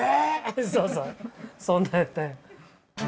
そうそうそんなんやったんや。